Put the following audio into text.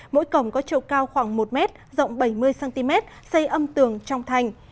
mỗi cổng có tru cao khoảng một m rộng bảy mươi cm xây âm tường trong thành